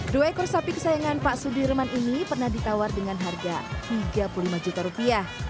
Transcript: dua ekor sapi kesayangan pak sudirman ini pernah ditawar dengan harga tiga puluh lima juta rupiah